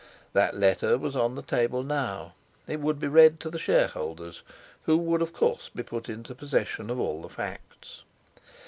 That letter was on the table now; it would be read to the Shareholders, who would of course be put into possession of all the facts.